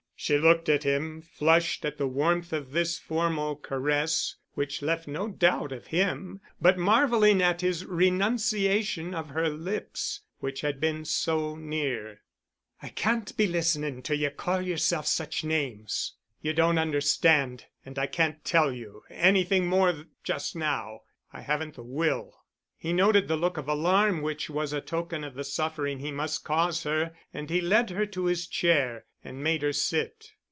She looked at him, flushed at the warmth of this formal caress, which left no doubt of him, but marveling at his renunciation of her lips, which had been so near. "I can't be listening when you call yourself such names." "You don't understand—and I can't tell you—anything more just now. I haven't—the will." He noted the look of alarm which was a token of the suffering he must cause her and he led her to his chair and made her sit.